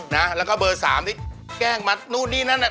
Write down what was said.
นะแล้วก็เบอร์สามที่แกล้งมานู่นนี่นั่นน่ะ